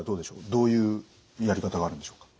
どういうやり方があるんでしょうか？